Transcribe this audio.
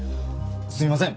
すみません。